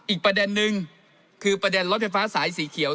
อีกประเด็นนึงคือประเด็นรถไฟฟ้าสายสีเขียว